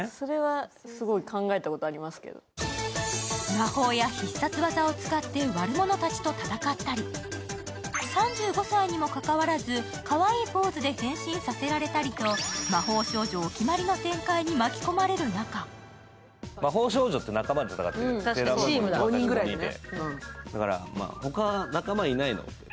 魔法や必殺技を使って悪者たちと戦ったり３５歳にもかかわらず、かわいいポーズで変身させられたりと、魔法少女お決まりの展開に巻き込まれる中魔法少女って仲間が５人くらいいて。